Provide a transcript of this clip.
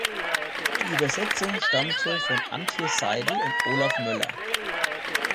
Die Übersetzung stammte von Antje Seidel und Olaf Moeller.